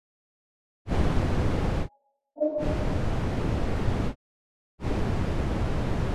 Humo mote Rais Samia hakuweza kuzungumza na vyombo vya habari